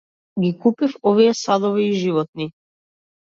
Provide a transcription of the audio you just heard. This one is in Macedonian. Ги купив овие садови и животни.